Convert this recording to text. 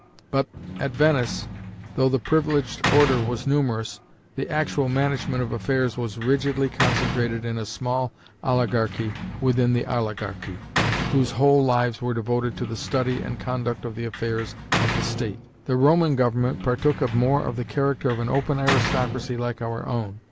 But, at Venice, though the privileged order was numerous, the actual management of affairs was rigidly concentrated in a small oligarchy within the oligarchy, whose whole lives were devoted to the study and conduct of the affairs of the state. The Roman government partook more of the character of an open aristocracy like our own.